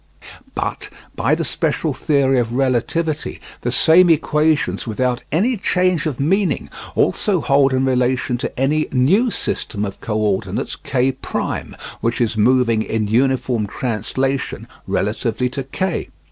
But by the special theory of relativity the same equations without any change of meaning also hold in relation to any new system of co ordinates K' which is moving in uniform translation relatively to K.